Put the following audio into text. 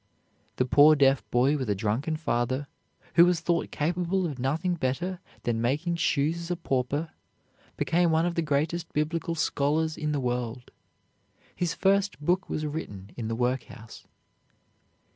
The poor deaf boy with a drunken father, who was thought capable of nothing better than making shoes as a pauper, became one of the greatest Biblical scholars in the world. His first book was written in the workhouse.